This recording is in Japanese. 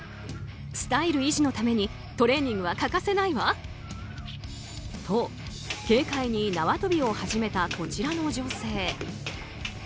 スタイル維持のためにトレーニングは欠かせないわ！とと、軽快に縄跳びを始めたこちらの女性。